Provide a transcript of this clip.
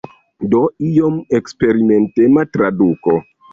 Do iom eksperimentema traduko.